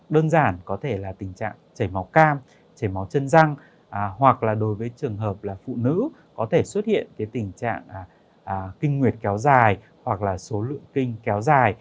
đơn giản có thể là tình trạng chảy máu cam chảy máu chân răng hoặc là đối với trường hợp là phụ nữ có thể xuất hiện tình trạng kinh nguyệt kéo dài hoặc là số lượng kinh kéo dài